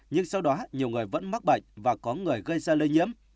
nhưng sau đó nhiều người vẫn mắc bệnh và có người gây ra lây nhiễm